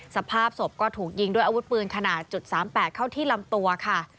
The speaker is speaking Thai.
สภาพศพก็ถูกยิงด้วยอาวุธปืนขนาด๓๘เข้าที่ลำตัวค่ะ